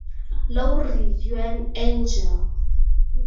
Laurie, you're an angel!